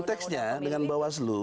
konteksnya dengan bawaslu